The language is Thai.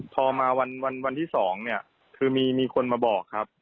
พอมาวันที่๒เนี่ยคือมีคนมาบอกครับ